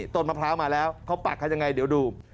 ต้นมะพร้าวมาแล้วเขาปักกันยังไงเดี๋ยวดู